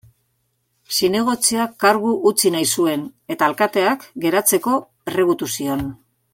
Zinegotziak kargu utzi nahi zuen eta alkateak geratzeko erregutu zion.